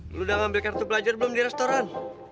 dulu udah ngambil kartu pelajar belum di restoran